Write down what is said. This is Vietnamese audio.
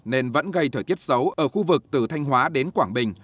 nên vẫn gây thời tiết xấu ở khu vực từ thanh hóa đến quảng bình